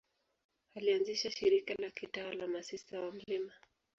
Alianzisha shirika la kitawa la Masista wa Mt.